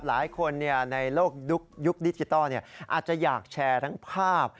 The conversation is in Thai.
หลายคนในโลกยุคดิจิทัลอาจจะอยากแชร์ทั้งภาพ